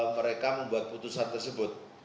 mereka membuat putusan tersebut